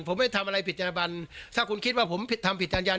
ผมไม่ทำอะไรผิดจันบันถ้าคุณคิดว่าผมผิดทำผิดจัญญา